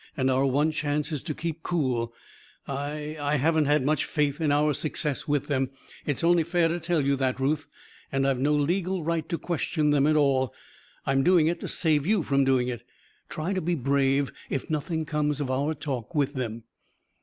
And our one chance is to keep cool. I I haven't much faith in our success with them. It's only fair to tell you that, Ruth. And I've no legal right to question them at all. I'm doing it to save you from doing it. Try to be brave, if nothing comes of our talk with them."